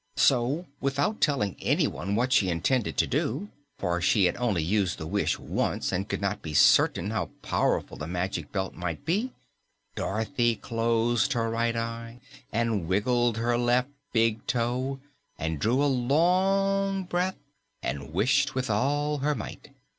So without telling anyone what she intended to do for she had only used the wish once and could not be certain how powerful the Magic Belt might be Dorothy closed her right eye and wiggled her left big toe and drew a long breath and wished with all her might.